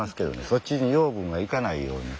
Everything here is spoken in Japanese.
そっちに養分が行かないように。